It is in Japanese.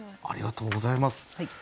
ありがとうございます。